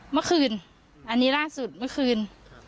เมื่อคืนอันนี้ล่าสุดเมื่อคืน